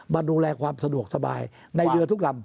มาดูแลความสะดวกสบายในเรือทุกลำ